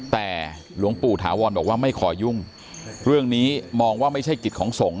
แต่หลวงปู่ถาวรบอกว่าไม่ขอยุ่งเรื่องนี้มองว่าไม่ใช่กิจของสงฆ